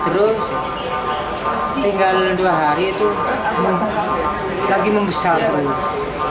terus tinggal dua hari itu lagi membesar terus